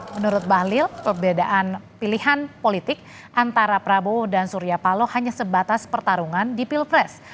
menurut bahlil perbedaan pilihan politik antara prabowo dan surya paloh hanya sebatas pertarungan di pilpres